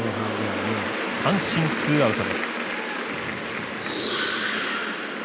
三振、ツーアウトです。